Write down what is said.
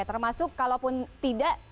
termasuk kalau pun tidak